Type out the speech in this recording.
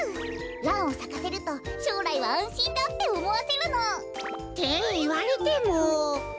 ランをさかせるとしょうらいはあんしんだっておもわせるの。っていわれても。